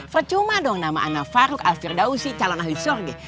fercuma dong nama ana farouk al firdausi calon ahli surga